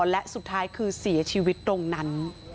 และสุดท้ายคือเสียชีวิตตรงนั้น